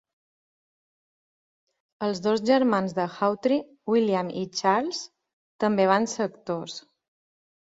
Els dos germans de Hawtrey, William i Charles, també van ser actors.